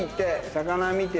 魚見て。